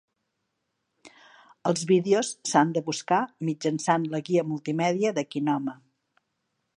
Els vídeos s'han de buscar mitjançant la guia multimèdia de Kinoma.